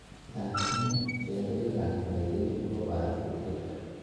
تحسین چهرهی رنگ پریدهی او را برافروخته کرد.